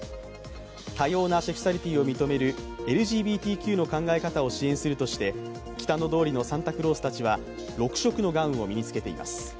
多様なセクシュアリティーを認めるＬＧＢＴＱの考え方を支援するとして北野通りのサンタクロースたちは、６色のガウンを身につけています。